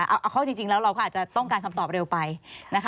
เอาเข้าจริงแล้วเราก็อาจจะต้องการคำตอบเร็วไปนะคะ